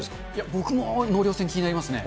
僕も納涼船気になりますね。